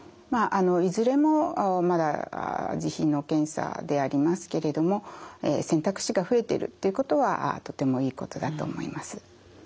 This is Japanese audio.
いずれもまだ自費の検査でありますけれども選択肢が増えてるっていうことはとてもいいことだと思います。